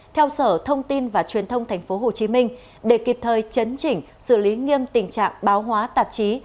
theo sở thông tin và truyền thông tp hcm để kịp thời chấn chỉnh xử lý nghiêm tình trạng báo hóa tạp chí